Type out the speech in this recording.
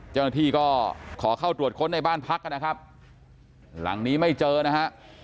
เจ้าหน้าที่ก็ขอเข้าตรวจค้นในบ้านพักนะครับหลังนี้ไม่เจอนะฮะ